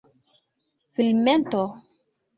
filmeto